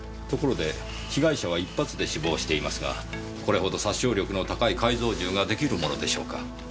ところで被害者は１発で死亡していますがこれほど殺傷力の高い改造銃ができるものでしょうか。